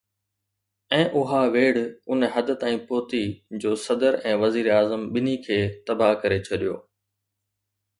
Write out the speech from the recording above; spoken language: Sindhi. ۽ اها ويڙهه ان حد تائين پهتي جو صدر ۽ وزير اعظم ٻنهي کي تباهه ڪري ڇڏيو.